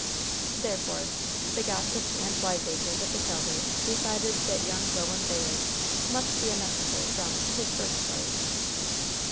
Therefore, the gossips and wiseacres of the Calvert decided that young Roland Bayard must be a messenger from "his first wife."